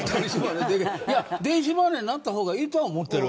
いや、電子マネーになった方がいいとは思ってる。